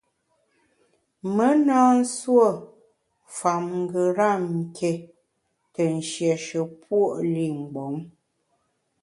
Me na nsuo fam ngeram ké te nshiéshe puo’ li mgbom.